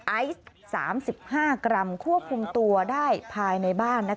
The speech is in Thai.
ไอซ์๓๕กรัมควบคุมตัวได้ภายในบ้าน